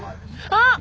あっ！